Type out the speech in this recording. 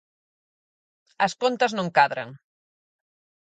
As contas non cadran.